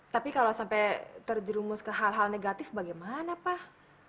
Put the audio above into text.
tapi kalau sampai terjerumus ke hal hal negatif bagaimana pak